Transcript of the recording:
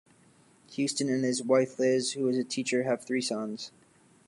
Houston and his wife Liz, who is a teacher, have three sons.